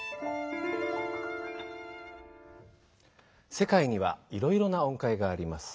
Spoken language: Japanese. せかいにはいろいろな音階があります。